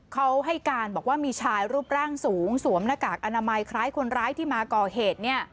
เขาให้การบอกว่ามีชายรูปร่างสูงสวมหน้ากากอนามัยคล้ายคนร้ายที่มาก่อเหตุ